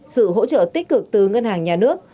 sự hỗ trợ tích cực từ ngân hàng nhà nước